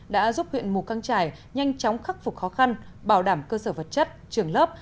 đã giúp huyện mù căng trải nhanh chóng khắc phục khó khăn bảo đảm cơ sở vật chất trường lớp